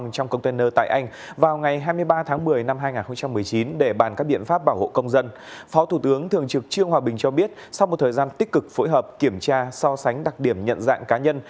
sau một thời gian tích cực phối hợp kiểm tra so sánh đặc điểm nhận dạng cá nhân